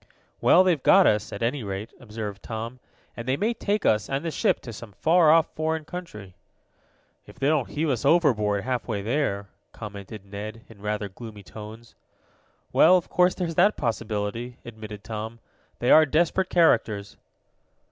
"Well, they've got us, at any rate," observed Tom, "and they may take us and the ship to some far off foreign country." "If they don't heave us overboard half way there," commented Ned, in rather gloomy tones. "Well, of course, there's that possibility," admitted Tom. "They are desperate characters."